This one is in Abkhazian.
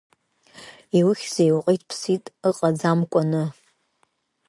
Иухьзеи, уҟыт-ԥсыт ыҟаӡамкәаны?